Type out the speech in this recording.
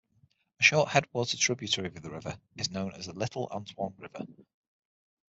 A short headwater tributary of the river is known as the Little Antoine River.